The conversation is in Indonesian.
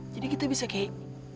jadi kita bisa kayak